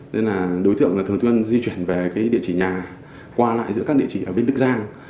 nên là đối tượng thường tuân di chuyển về cái địa chỉ nhà qua lại giữa các địa chỉ ở bên đức giang